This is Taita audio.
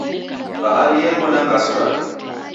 Bahari yeko na ngasu rake